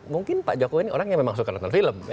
mungkin pak jokowi ini orang yang memang suka nonton film